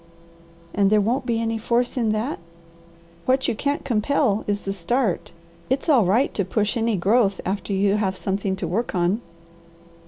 "And there won't be any force in that?" "What you can't compel is the start. It's all right to push any growth after you have something to work on."